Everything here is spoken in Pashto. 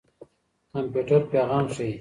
کمپيوټر پېغام ښيي.